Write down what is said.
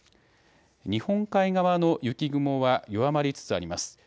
日本海側の雪雲は弱まりつつあります。